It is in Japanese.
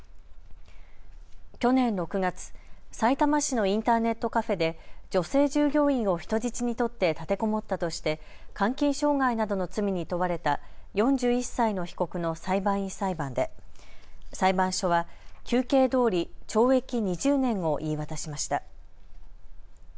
去年６月、さいたま市のインターネットカフェで女性従業員を人質に取って立てこもったとして監禁傷害などの罪に問われた４１歳の被告の裁判員裁判で裁判所は求刑どおり懲役２０年を言い渡しました。